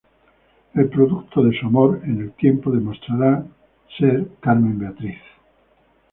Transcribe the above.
El producto de su amor, en el tiempo, demostrará para ser Carmen Beatriz.